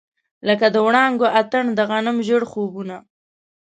لکه د وړانګو اتڼ، د غنم ژړ خوبونه